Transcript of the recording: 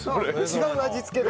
違う味付けで？